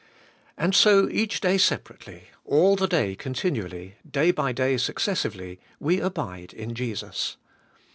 And so each day separately, all the day continually, day by day successively, we abide in Jesus.